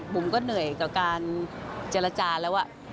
บุ๋มก็เหนื่อยต่อการเจรจาแล้ว